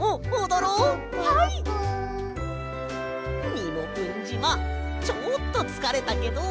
みもぷんじまちょっとつかれたけど。